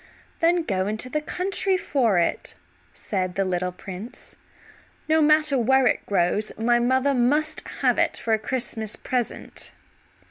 "Then go into the country for it," said the little prince. "No matter where it grows, my mother must have it for a Christmas present."